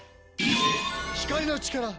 光の力